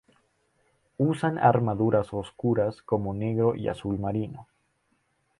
Usan armaduras oscuras como negro y azul marino.